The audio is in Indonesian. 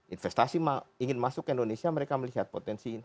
investasi ingin masuk ke indonesia mereka melihat potensi investasi